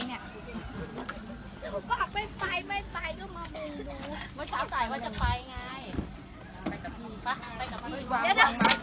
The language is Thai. สวัสดีครับคุณพลาด